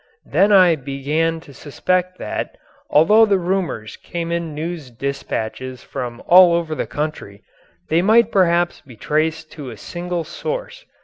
Then I began to suspect that, although the rumours came in news dispatches from all over the country, they might perhaps be traced to a single source.